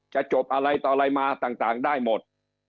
จะจบอะไรต่ออะไรมาต่างได้หมด